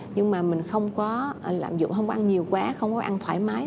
nhưng mà mình không có lạm dụng không ăn nhiều quá không có ăn thoải mái